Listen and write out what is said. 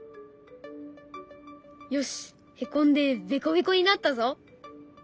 よしへこんでベコベコになったぞ。